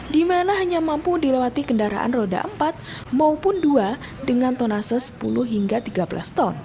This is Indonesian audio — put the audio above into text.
di mana hanya mampu dilewati kendaraan roda empat maupun dua dengan tonase sepuluh hingga tiga belas ton